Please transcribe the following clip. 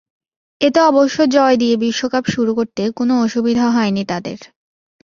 এতে অবশ্য জয় দিয়ে বিশ্বকাপ শুরু করতে কোনো অসুবিধা হয়নি তাদের।